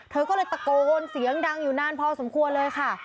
เธอก็เลยตะโกนเสียงดังอยู่นานพอสมควรเลยค่ะ